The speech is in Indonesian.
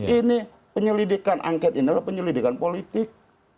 ini penyelidikan angket ini adalah penyelidikan politik